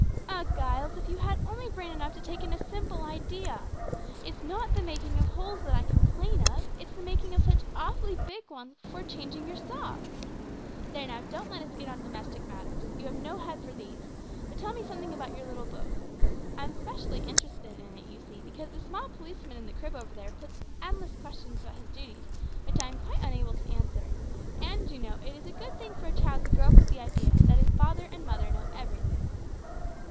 "Ah! Giles, if you had only brain enough to take in a simple idea! it's not the making of holes that I complain of. It is the making of such awfully big ones before changing your socks! There now, don't let us get on domestic matters. You have no head for these, but tell me something about your little book. I am specially interested in it, you see, because the small policeman in the crib over there puts endless questions about his duties which I am quite unable to answer, and, you know, it is a good thing for a child to grow up with the idea that father and mother know everything."